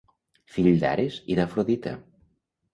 Fill d'Ares i d'Afrodita.